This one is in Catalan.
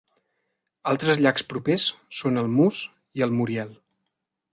Altres llacs propers són el Moose i el Muriel.